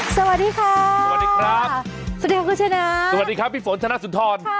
สวัสดีค่ะสวัสดีครับสวัสดีครับคุณชนะสวัสดีครับพี่ฝนธนสุนทร